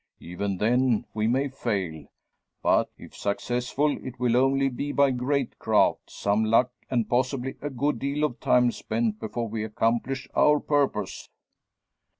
Even then we may fail; but, if successful, it will only be by great craft, some luck, and possibly a good deal of time spent before we accomplish our purpose."